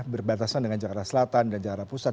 berbatasan dengan jakarta selatan dan jakarta pusat